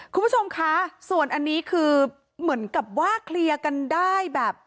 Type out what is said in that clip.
คุณผู้ชมคะส่วนอันนี้คือเหมือนกับว่าเคลียร์กันได้แบบ